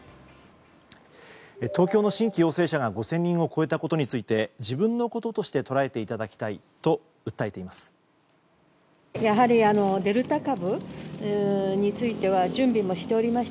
東京の新規陽性者が５０００人を超えたことについて自分のこととして捉えていただきたいと訴えています。